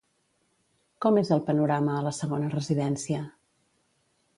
Com és el panorama a la segona residència?